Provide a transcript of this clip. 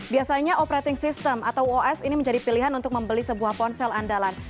biasanya operating system atau os ini menjadi pilihan untuk membeli sebuah ponsel andalan